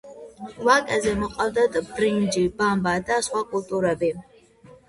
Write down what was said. ვაკეზე მოჰყავთ ბრინჯი, ბამბა და სხვა კულტურები.